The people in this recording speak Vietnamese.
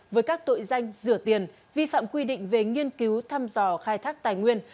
với các tội danh rửa tiền vi phạm quy định về nghiên cứu thăm dò khai thác tài nguyên